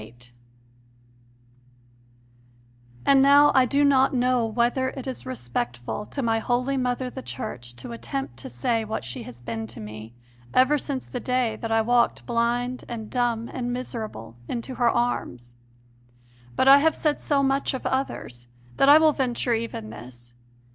VIII And now I do not know whether it is respectful to my holy mother the Church to attempt to say what she has been to me ever since the day that I walked blind and dumb and miserable into her arms. But I have said so much of others that I will venture even this.